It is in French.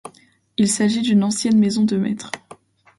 Il s'agit d'une ancienne maison de maître.